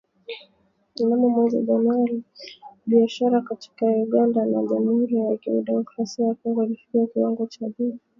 Mnamo mwezi Januari, biashara kati ya Uganda na Jamuhuri ya Kidemokrasia ya Kongo ilifikia kiwango cha juu